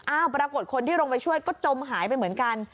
ปรากฏคนที่ลงไปช่วยก็จมหายไปเหมือนกัน